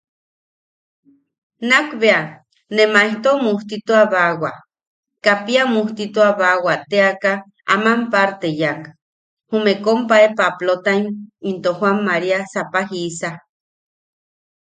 Nakbea ne Maejto mujtituabawa, Kapia mujtituabawa teaka aman parte yaak, jume kompae Paplotaim into Joan María Sapajisa.